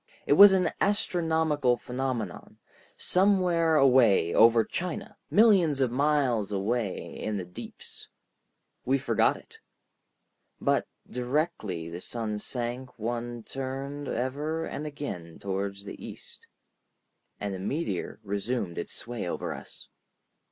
It was an astronomical phenomenon, somewhere away over China, millions of miles away in the deeps. We forgot it. But directly the sun sank one turned ever and again toward the east, and the meteor resumed its sway over us.